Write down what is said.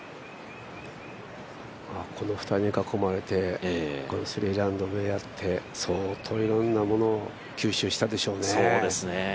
この２人に囲まれて、３ラウンド回って相当いろんなものを吸収したでしょうね。